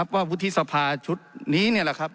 ว่าวุฒิษภาชุดนี้